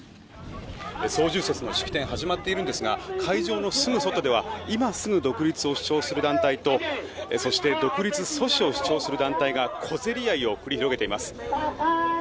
双十節の式典始まっているんですが会場のすぐ外では今すぐ独立を主張する団体とそして独立阻止を主張する団体が小競り合いを繰り広げています。